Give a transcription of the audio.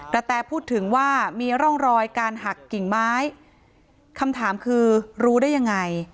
แตพูดถึงว่ามีร่องรอยการหักกิ่งไม้คำถามคือรู้ได้ยังไง